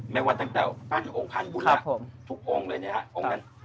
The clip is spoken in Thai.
แม้ว่าตั้งแต่ปั้นองค์พันธุ์บุระทุกองค์เลยเนี่ยครับ